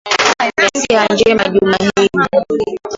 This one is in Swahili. ya siha njema juma hili